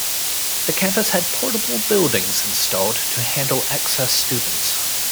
The campus had portable buildings installed to handle excess students.